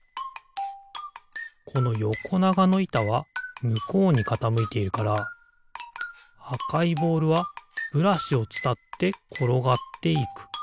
このよこながのいたはむこうにかたむいているからあかいボールはブラシをつたってころがっていく。